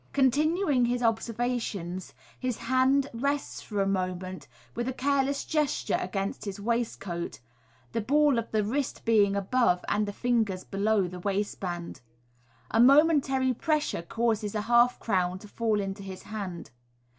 Continuing his observations, his hand rests for a moment with a careless gesture against his waistcoat, the ball of the wrist being above and the fingers below the waistband. A momentary pressure causes a half crown to fall into his hand.